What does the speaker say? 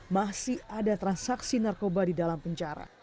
masih ada transaksi narkoba di dalam penjara